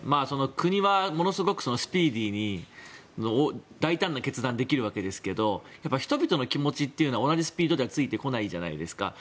国はものすごくスピーディーに大胆な決断ができるわけですが人々の気持ちは同じスピードではついてこないじゃないですか。